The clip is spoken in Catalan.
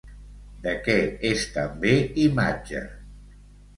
De què és també imatge?